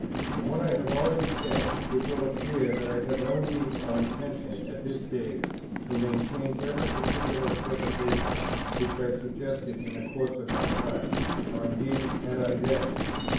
From what I have already said, it will appear that I have no need or intention at this day to maintain every particular interpretation which I suggested in the course of my Tract, nor indeed had I then.